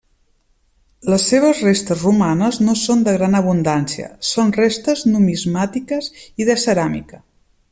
Les seves restes romanes no són de gran abundància, són restes numismàtiques i de ceràmica.